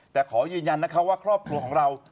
แต่ขอยืนยันนะคะว่าครอบครัวของเรา